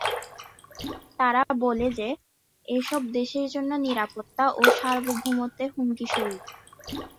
তারা বলে যে, এসব দেশের জন্য নিরাপত্তা ও সার্বভৌমত্বের হুমকিস্বরূপ।